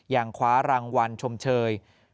ยังคว้ารางวัลชมเชย